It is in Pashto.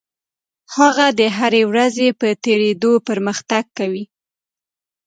هغه د هرې ورځې په تېرېدو پرمختګ کوي.